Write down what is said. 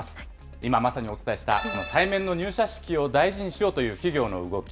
今まさにお伝えした、対面の入社式を大事にしようという企業の動き。